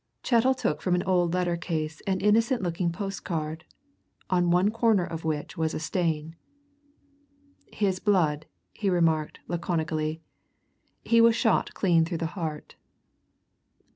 Chettle took from an old letter case an innocent looking postcard, on one corner of which was a stain. "His blood," he remarked laconically. "He was shot clean through the heart.